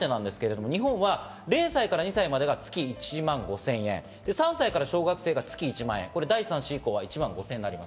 日本は０歳から２歳までが月１万５０００円、３歳から小学生が月１万円、第３子以降は月１万５０００円です。